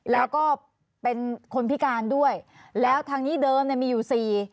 แล้วก็เป็นคนพิการด้วยแล้วทางนี้เดิมเนี่ยมีอยู่สี่